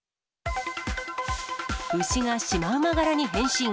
牛がシマウマ柄に変身。